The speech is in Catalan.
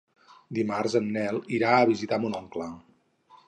Dimarts en Nel irà a visitar mon oncle.